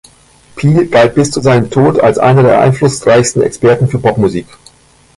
Peel galt bis zu seinem Tod als einer der einflussreichsten Experten für Popmusik.